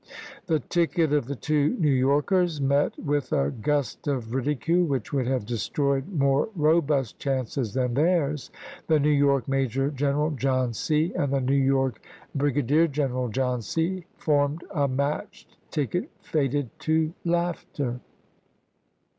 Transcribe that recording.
The ticket of the two New Yorkers met with a gust of ridicule which would have destroyed more robust chances than theirs. " The New York Major General John C. and the New York Brig adier Greneral John C." formed a matched ticket fated to laughter.